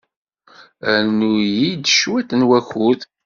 Rnu-iyi-d cwiṭ n wakud.